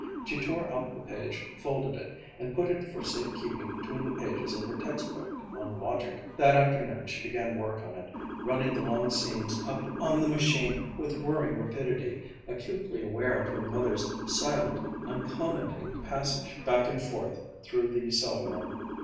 She tore out the page, folded it, and put it for safe keeping between the pages of her text book on Logic. That afternoon she began work on it, running the long seams up on the machine with whirring rapidity, acutely aware of her mother's silent, uncommenting passage back and forth through the sewing room.